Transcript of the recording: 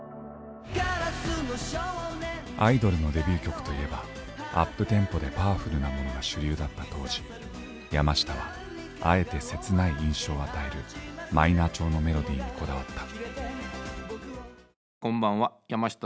アイドルのデビュー曲といえばアップテンポでパワフルなものが主流だった当時山下はあえて切ない印象を与えるマイナー調のメロディーにこだわった。